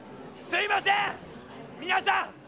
すいません皆さん！